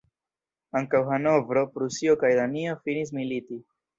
Ankaŭ Hanovro, Prusio kaj Danio finis militi.